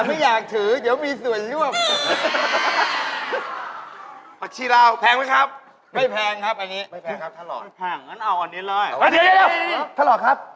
ผักชีราวแพงไหมครับ